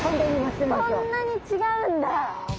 そんなに違うんだ。